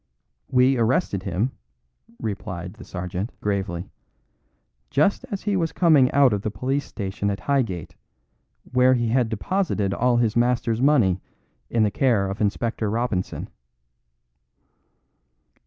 "We arrested him," replied the sergeant gravely, "just as he was coming out of the police station at Highgate, where he had deposited all his master's money in the care of Inspector Robinson."